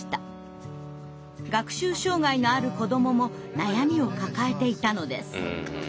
学習障害のある子どもも悩みを抱えていたのです。